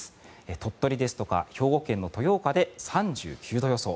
鳥取ですとか兵庫県の豊岡で３９度予想。